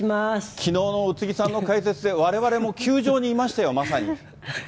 きのうの宇津木さんの解説で、われわれも球場にいましたよ、まさに。